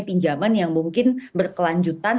pinjaman yang mungkin berkelanjutan